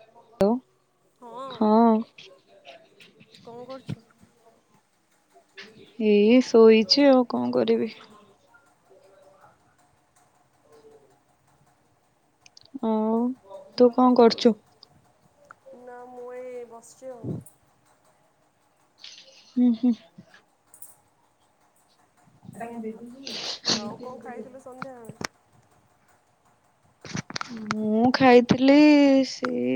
Hello. ହଁ କଣ କରୁଛୁ? ଏଇ ଶୋଇଛି ଆଉ କଣ କରିବି? ଆଉ ତୁ କଣ କରଚୁ? ନା ମୁଁ ଏ ଏ ବସଚି ଆଉ। ହୁଁ ହୁଁ। ହେଟା କିନ୍ତି ହେଇଚି? ଆଉ କଣ ଖାଇଥିଲୁ ସନ୍ଧ୍ୟାବେଳେ? ମୁଁ ଖାଇଥିଲି ଇ ଇ ସେଇ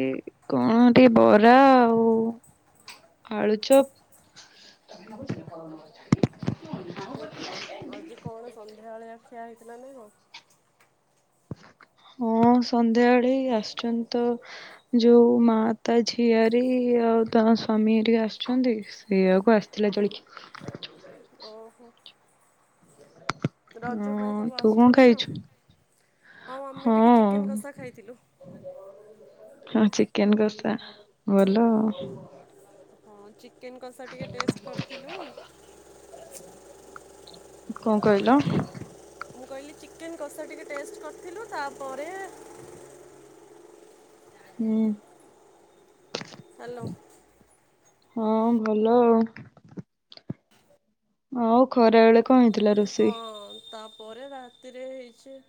କଣ ଟିକେ ବରା ଆଉ ଉ ଆଳୁଚପ୍ ତା [unintelligible] ଆଜି କଣ ସନ୍ଧ୍ୟାବଳିଆ ଖିଆ ହେଇଥିଲା ନା କଁ? ହଁ ସନ୍ଧ୍ୟାବେଳେ ଇଏ ଆସଚନ୍ତି ତ ଯୋଉ ମା ତା ଝିଆରି ଆଉ ତା ସ୍ଵାମୀ ଟିକେ ଆସଛନ୍ତି। ସେଇଆକୁ ଆସଥିଲା ଜଳିଖି ଓହୋ। ରଜ ପାଇଁ ଅଁ ସବୁ ତୁ କଣ ଆସୁଛନ୍ତି ଆଉ ଖାଇଚୁ? ଆମେ ହଁ। ଟିକେ ଚିକେନ କଷା ଖାଇଥିଲୁ। ହଁ ଚିକେନ କଷା ଭଲ ଆଉ। ହଁ ଚିକେନ୍ କଷା ଟିକେ ଟେଷ୍ଟ କରଥିଲୁ। କଁ କହିଲ? ମୁଁ କହିଲି ଚିକେନ୍ କଷା ଟିକେ ଟେଷ୍ଟ କରଥିଲୁ ତାପରେ ହୁଁ। ହାଲୋ। ହଁ ଭଲ ଆଉଁ। ଆଉ ଖରା ବେଳେ କଣ ହେଇଥିଲା ହଁ ରୋଷେଇ? ତାପରେ ରାତିରେ ହେଇଚି।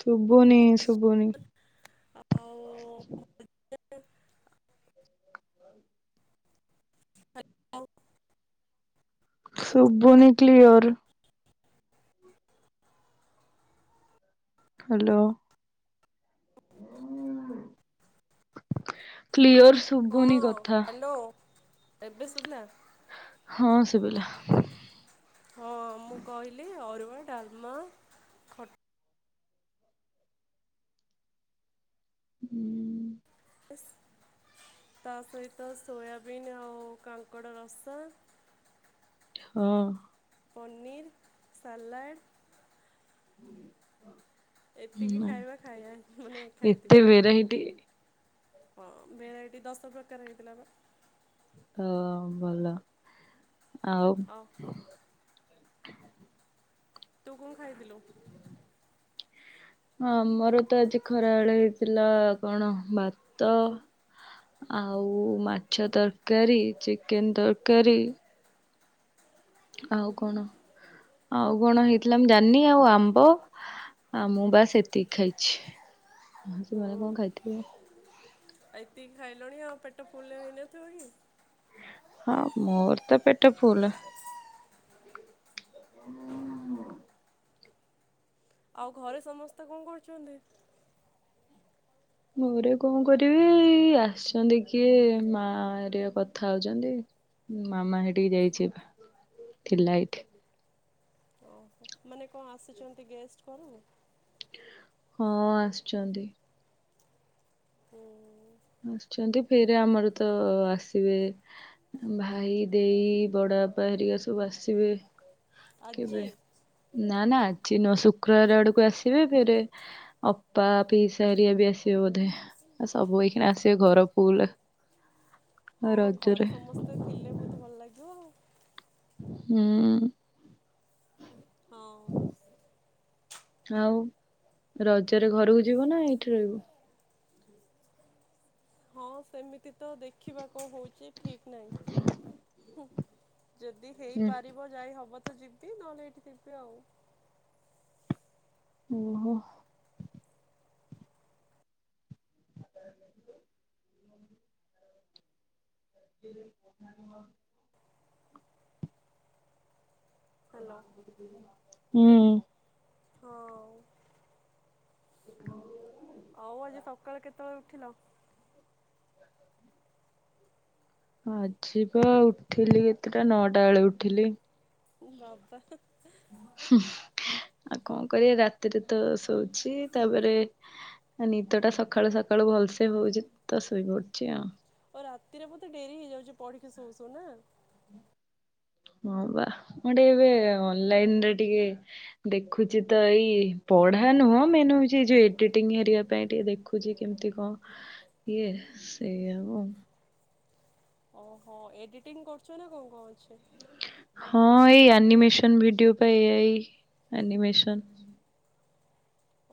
ଛୁବୁନି ଶୁବୁନି? ଆ ଆଉ ଶୁବୁନି କ୍ଲିଅର୍? ହାଲୋ। କ୍ଲିୟର ହଁ ଶୁଭୁନି କଥା ହାଲୋ ଏବେ ଶୁବିଲା? ହଁ ଶୁବିଲା। ହଁ ମୁଁ କହିଲି ଅରୁଆ, ଡାଲମା ଖଟା ହୁଁ। ଇସ ତା ସହିତ ସୋୟାବିନ୍ ଆଉ କାଙ୍କଡ଼ ରସା ହଁ। ପନିର୍, ସାଲାଡ଼ ଏତିକି ଖାଇବା ଖାଇବା ହେ ମାନେ ଖାଇଥିଲି। ହେରା ହେଇଟି ହଁ ଭେରାଇଟି ଦଶ ପ୍ରକାର ହେଇଥିଲା ବା। ହଁ ଭଲ। ଆଉ ଅଫ ତୁ କଣ ଖାଇଥିଲୁ? ହଁ ଆମର ତ ଆଜି ଖରାଏଳେ ହେଇଥିଲା କଣ ଭାତ। ଆଉ ମାଛ ତରକାରୀ ଚିକେନ ତରକାରୀ। ଆଉ କଣ ଆଉ କଣ ହେଇଥିଲା ମୁଁ ଜାନି। ଆଉ ଆମ୍ବ ଆ ମୁଁ ବାସ୍ ଏତିକି ଖାଇଛି। ସେମାନେ କଣ ଖାଇଥିବେ। ଏଇତିି ଖାଇ ଲଣି ଆଉ ପେଟ ଫୁଲେ ହୋଇନଥିବ କି? ହଁ ମୋର ତ ପେଟ ଫୁଲ। ହୁଁ। ଆଉ ଘରେ ସମସ୍ତେ କଣ କରୁଚନ୍ତି? ଘରେ କଣ କରିବେ ଏଇ ଆସିଚନ୍ତି କିଏ ମା ଏରିକା କଥା ହୋଉଚନ୍ତି। ମାମା ହେଇଠିକି ଯାଇଛି ଏବେ, ଥିଲା ଏଇଠି। ଓହୋ ମାନେ କଣ ଆସୁଚନ୍ତି ଗେଷ୍ଟ କଣ? ହଁ ଆସଚନ୍ତି। ହୁଁ ଆସଚନ୍ତି ଫେରେ ଆମର ତ ଆସିବେ ଭାଇ, ଦେଇ, ବଡ ବାପା ହେରିକା ସବୁ ଆସିବେ। ଆଜି କେବେ ନା ନା ଆଜି ନୁଅ ଶୁକ୍ରବାର ଆଡକୁ ଆସିବେ। ଫେରେ ଅପା, ପିଇସାହେରିଆ ବି ଆସିବେ ବୋଧେ। ସବୁ ଏଇ ଏଇନା ଆସିବେ ଘର ଫୁଲ। ହଁ ରଜରେ ଘରେ ସମସ୍ତେ ଥିଲେ ବହୁତ ଭଲ ଲାଗିବ ଆଉ। ହୁଁ। ହଁ। ଆଉ ରଜରେ ଘରକୁ ଯିବ ନା ଏଇଠି ରଇବ? ହଁ ସେମିତି ତ ଦେଖିବା କଣ ହୋଉଚି ଠିକ୍ ନାଇଁ। ହୁଁ ଯଦି ହୁଁ। ହେଇପାରିବ ଯାଇ ହବ ତ ଯିବି ନହେଲେ ଏଇଠି ଥିବି ଆଉ। ଓହୋ। ସେ ଗଲାନି ଘରକୁ। ହାଲୋ। ଉଁ। ହଁ। [inaudible] ଆଉ ଆଜି ସକାଳେ କେତୋଳେ ଉଠିଲ। ଆଯିଵା ଉଠିଲି କେତେଟା ନଅଟା ବେଳେ ଉଠିଲି। ବାବା। ଆଉ କଣ କରିବା ରାତିରେ ତ ଶୋଉଚି। ତାପରେ ନିଦ ଟା ସକାଳୁ ସକାଳୁ ଭଲସେ ହୋଉଚି ତ ଶୋଇ ପଡୁଚି ଆଉ। ଆଉ ରାତିରେ ବୋତେ ଡେରି ହେଇଯାଉଚି ପଢିକି ଶୋଉ ଶୋଉ ନାଁ? ହଁ ବା ମୁଁ ଟିକେ ଏବେ ଅନଲାଇନ ରେ ଟିକେ ଦେଖୁଚି ତ ଏଇ ପଢା ନୁହଁ ମେନହୋଉଚି ଯୋଉ ଏଡିଟିଂ ହେରିଆ ପାଇଁ ଟିକେ ଦେଖ। ଦେଖୁଚି କେମିତି କଁ ଇଏ ସେଇ ହବ। ଓହୋ ଏଡିଟିଂ କରୁଚ ନା କଣ କଣ ଅଛେ। ହଁ ଏଇ ଆନିମେସନ ଭିଡିଓ ପା ଏଆଇ ଆନିମେସନ।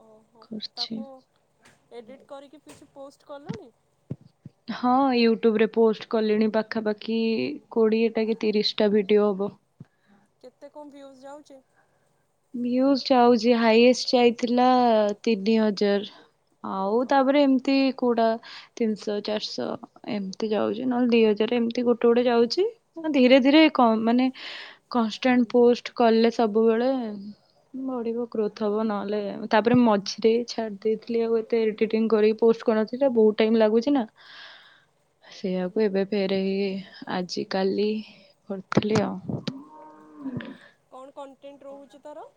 ଓହୋ କରୁଛି। ତାକୁ ଏଡ଼ିଟ୍ କରିକି କିଛି ପୋଷ୍ଟ କଲୁଣି? ହଁ, ୟୁଟ୍ୟୁବରେ ପୋଷ୍ଟ କଲିଣି ପାଖାପାଖି କୋଡିଏ ଟା କି ତିରିଶ ଟା ଭିଡିଓ ହବ। କେତେ କଣ ଭ୍ୟୁଜ ଯାଉଚି? ଭିୟୁଜ ଯାଉଚି ହାଇଏଷ୍ଟ ଯାଇଥିଲା ତିନି ହଜାର। ଆଉ ଓ ତାପରେ ଏମିତି କଉଟା ତିନିଶହ ଚାରିଶହ ଏମିତି ଯାଉଚି। ନହେଲେ ଦି ହଜାର ଏମିତି ଗୋଟେ ଗୋଟେ ଯାଉଚି। ଧୀରେ ଧୀରେ କ ମାନେ କନଷ୍ଟାଣ୍ଟ ପୋଷ୍ଟ କଲେ ସବୁବେଳେ ହ ବଢିବ ଗ୍ରୋଥ ହବ। ନହେଲେ ତାପରେ ମଝିରେ ଛାଡି ଦେଇଥିଲି। ଆଉ ଏତେ ଏଡିଟିଂ କରିକି ପୋଷ୍ଟ କରିନଥିଲି। ବହୁତ ଟାଇମ ଲାଗୁଛି ନା ସେଇଆକୁ ଏବେ ଫେରେ ହେଇ ଆଜି, କାଲି କରିଥିଲି ଆଉ। କଣ କଣ୍ଟେଣ୍ଟ ରହୁଛି ତାର?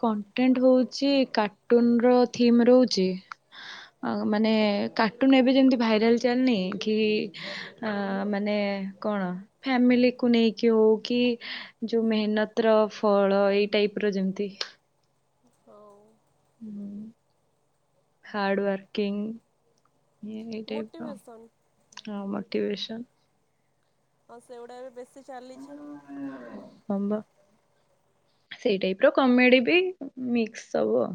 କଣ୍ଟେଣ୍ଟ ରହୁଚି କାର୍ଟୁନ ର ଥିମ୍ ରହୁଛି। ମାନେ କାର୍ଟୁନ ଏବେ ଯେମିତି ଭାଇରାଲ ଚାଲିନି, କି ଅଁ ମାନେ କଣ ଫ୍ୟାମିଲି କୁ ନେଇକି ହଉ କି ଯୋଉ ମେହନତ ର ଫଳ ଏଇ ଟାଇପ ର ଯେମିତି। ହଉ। ହୁଁ, ହାର୍ଡୱର୍କିଂ ଏ ଏଇ ଟାଇପର। Motivation no motivation. ତ ସେଇଗୁଡ଼ା ବି ବେଶୀ ଚାଲିଚି। ହଁ, ପା। ସେଇ ଟାଇପ ର କମେଡି ବି ମିକ୍ସ ସବୁ ଆଉ।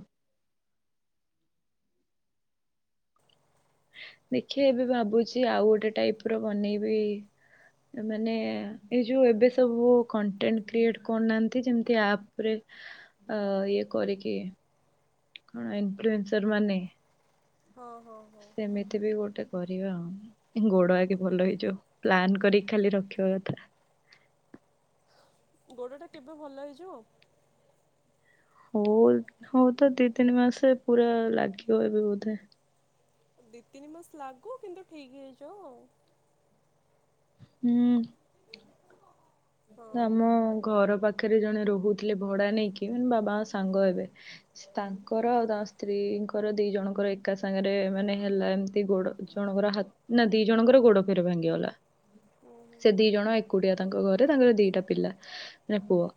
ଦେଖିଆ ଏବେ ଭାବୁଚି ଆଉ ଗୋଟେ ଟାଇପ ର ବନେଇବି ମାନେ ଏ ଯୋଉ ଏବେ ସବୁ କଣ୍ଟେଣ୍ଟ କ୍ରିଏଟ କରୁନାହାନ୍ତି ଯେମିତି ଆପ ରେ ଅ ଇଏ କରିକି, କଣ ଇନଫ୍ଲୁଏନ୍ସର ମାନେ ହଁ, ହଁ, ହଁ। ସେମିତି ବି ଗୋଟେ କରିବା ଆଉ ଗୋଡ ଆଗେ ଭଲ ହେଇଯାଉ। ପ୍ଲାନ୍ କରିକି ଖାଲି ରଖିବା କଥା। ଗୋଡଟା କେବେ ଭଲ ହେଇଯିବ? ହଉ ହଉ ତ ଦି ତିନି ମାସେ ପୁରା ଲାଗିବ ଏବେ ବୋଧେ। ଦି ତିନି ମାସ ଲାଗୁ କିନ୍ତୁ ଠିକ ହେଇ ଯାଉ ଆଉ। ହୁଁ। ହଁ। ଆମ ଘର ପାଖରେ ଜଣେ ରହୁଥିଲେ ଭଡା ନେଇକି। ମୋ ବାବାଙ୍କ ସାଙ୍ଗ ହେବେ ତାଙ୍କର ଆଉ ତାଙ୍କ ସ୍ତ୍ରୀଙ୍କର ଦି ଜଣଙ୍କର ଏକା ସାଙ୍ଗରେ ମାନେ ହେଲା ଏମିତି ଗୋଡ ଜଣଙ୍କର ହାତ ନା ଦି ଜଣଙ୍କର ଗୋଡ ପୁରା ଭାଙ୍ଗିଗଲା। ହୁଁ ହୁଁ। ସେ ଦି ଜଣ ଏକୁଟିଆ ତାଙ୍କ ଘରେ। ତାଙ୍କର ଦିଟା ପିଲା ମାନେ ପୁଅ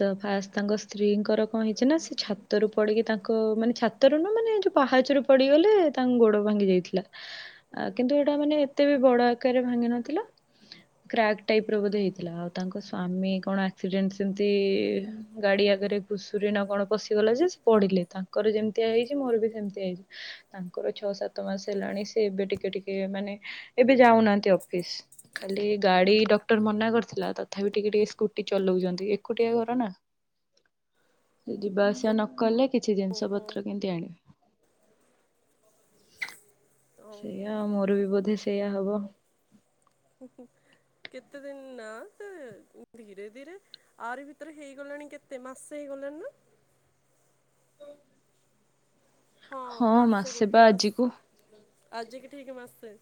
ତ ଫାଷ୍ଟ ତାଙ୍କ ସ୍ତ୍ରୀଙ୍କର କଣ ହେଇଚି ନା ସେ ଛାତରୁ ପଡିକି ତାଙ୍କ ମାନେ ଛା ଛାତରୁ ନୁହୁଁ ମାନେ ଯୋଉ ପାହାଚରୁ ପଡିଗଲେ ତାଙ୍କୁ ଗୋଡ ଭାଙ୍ଗି ଯାଇଥିଲା। ଆ କିନ୍ତୁ ଏଇଟା ମାନେ ଏତେ ବି ବଡ ଆକାରରେ ଭାଙ୍ଗିିନଥିଲା। କ୍ରାକ୍ ଟାଇପ ର ବୋଧେ ହେଇଥିଲା। ଆଉ ତାଙ୍କ ସ୍ଵାମୀ କଣ ଆକ୍ସିଡେଣ୍ଟ ସେମତି ଗାଡି ଆଗରେ ଘୁଷୁର ନା କଣ ପଶିଗଲା ଯେ ସେ ପଡିଲେ। ତାଙ୍କର ଯେମିତିଆ ହେଇଚି ମୋର ବି ସେମିତି ହେଇଚି। ତାଙ୍କର ଛଅ ସାତ ମାସ ହେଲାଣି ସେ ଏବେ ଟିକେ ଟିକେ ମାନେ ଏବେ ଯାଉନାହାନ୍ତି ଅଫିସ। ଖାଲି ଗାଡି ଡକ୍ଟର ମନା କରିଥିଲା। ତ ତଥାପି ଟିକେ ଟିକେ ସ୍କୁଟି ଚଲଉଛନ୍ତି। ଏକୁଟିଆ ଘର ନା। ସେ ଯିବା ଆସିବା ନକଲେ କିଛି ଜିନିଷ ଓହୋ ପତ୍ର କେମତି ଆଣିବେ? ଓହୋ ସେଇଆ ଆଉ ମୋର ବି ବୋଧେ ସେଇଆ ହବ। କେତେ ଦିନ ନା ତ ଧୀରେ ଧୀରେ ଆରି ଭିତରେ ହେଇଗଲାଣି କେତେ ମାସେ ହେଇଗଲାଣି ନା? ଓ ହୋ ହଁ ମାସେ ବା ଗୋଟେ ମାସ ଆଜିକୁ ଆଜି କି ଠିକ ମାସେ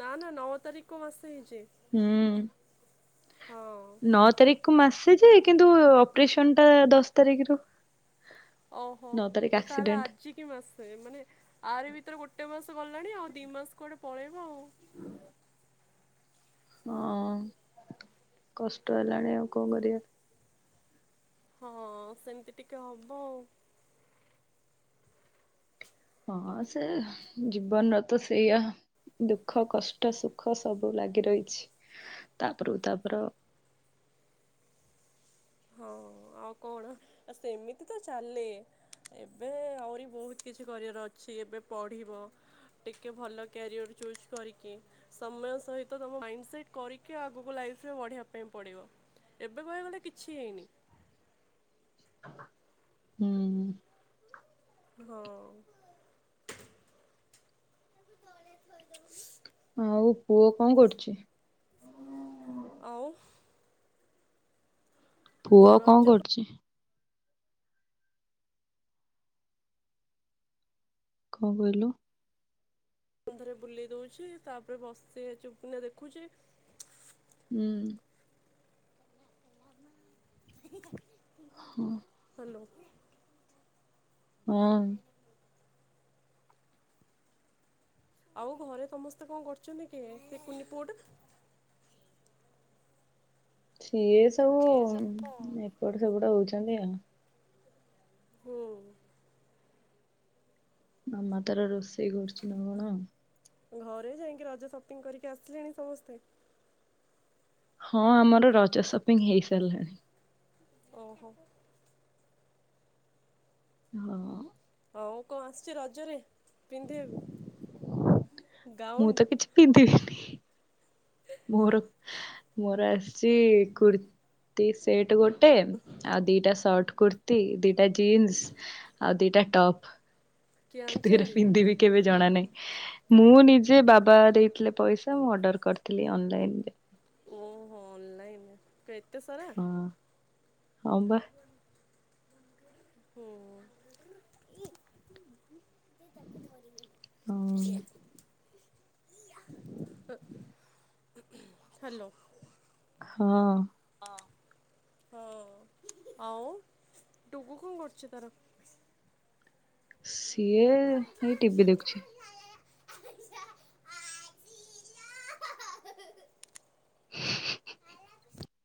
ନା ନା ନଅ ତାରିଖକୁ ମାସେ ହେଇଛି। ହୁଁ ହଁ ନଅ ତାରିଖ କୁ ମାସେ ଯେ କିନ୍ତୁ ଅପରେସନ ଟା ଦଶ ତାରିଖରୁ ଓ ହୋ ନଅ ତାରିଖ ତ ତାହେଲେ ଆକ୍ସିଡେଣ୍ଟ। ଆ ଜିକି ମାସେ ମାନେ ଆରି ଭିତରେ ଗୋଟେ ମାସ ଗଲାଣି ଆଉ ଦି ମାସ କୁଆଡେ ପଳେଇବା ଆଉ। ହଁ କଷ୍ଟ ହେଲାଣି ଆଉ କଣ କରିବା। ହଁ ସେମିତି ଟିକେ ହବ ଆଉ। ହଁ ସେ ଜୀବନର ତ ସେଇଆ ଦୁଃଖ କଷ୍ଟ ସୁଖ ସବୁ ଲାଗି ରହିଛି ତାପରକୁ ତାପର ହଁ ଆଉ କଣ ଆ ସେମିତି ତ ଚାଲେ। ଏବେ ଆହୁରି ବହୁତ କିଛି କରିଆର ଅଛି। ଏବେ ପଢିବ ଟିକେ ଭଲ କ୍ୟାରିଅର୍ ଚୁଜ୍ କରିକି ସମୟ ସହିତ ତମ ମାଇଣ୍ଡ ସେଟ କରିକି ଆଗକୁ ଲାଇଫ୍ ରେ ବଢିବା ପାଇଁ ପଡିବ। ଏବେ କହିବାକୁ ଗଲେ କିଛି ହେଇନି। ହୁଁ। ହଁ। କଳଜ ବ ଆଉ ପୁଅ କଣ କରୁଚି? ଆଉ ପୁଅ ଆଉ କଣ ରଜ କରୁଚି? କଣ କହିଲୁ? ପୁଣି ଥରେ ବୁଲେଇ ଦଉଛି ତାପରେ ବସୁଚି ଚୁପ୍ କିନା ଦେଖୁଛି। ହୁଁ। ହଁ। ହ୍ୟାଲୋ। ହଁ। ଆଉ ଘରେ ସମସ୍ତେ କଣ କରୁଛନ୍ତି? ସେ କୁନି ପୁଅଟା ସିଏ ସବୁ ଏପଟ ସେପଟ ହଉଛନ୍ତି ଆଉ। ହଁ। ମାମା ତାର ରୋଷେଇ କରୁଛି ନା କଣ? ଘରେ ଯାଇକି ରଜ ସପିଂ କରିକି ଆସିଲେଣି ସମସ୍ତେ? ହଁ ଆମର ରଜ ସପିଙ୍ଗ ହେଇ ସାରିଲାଣି। ଓ ହୋ। ହଁ। ହଉ କଣ ଆସିଛି ରଜରେ ପିନ୍ଧିବୁ? ମୁଁ ତ କିଛି ପିନ୍ଧିବିନି। ମୋର ମୋର ଆସିଛି କୁର୍ତ୍ତିୀ ସେଟ ଗୋ ଟେ ଆଉ ଦିଟା ସର୍ଟ କୁର୍ତ୍ତି, ଦିଟା ଜିନ୍ସ ଆଉ ଦିଟା ଟପ୍। କିଏ କିନ୍ତୁ କେବେ ଆଣିଛନ୍ତି? ପିନ୍ଧିବିି କେବେ ଜଣା ନାହିଁ। ମୁଁ ନିଜେ ବାବା ଦେଇଥିଲେ ପଇସା ମୁଁ ଅର୍ଡର କରିଥିଲି ଅନଲାଇନରେ। ଓହୋ ଅନଲାଇନ୍ ତ ଏତେ ସାରା? ହଁ। ହଁ ବା। ହୁଁ। ଧରି ହଁ [unintelligible] ହାଲୋ। ହଁ। ହଁ ହଉ, ଆଉ ଟୁଗୁ କଁ କରୁଚି ତାର? ସିଏ ଏଇ ଟିଭିି ଦେଖୁଚି।